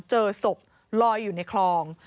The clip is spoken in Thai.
เจอศพลอยอยู่ในคลอง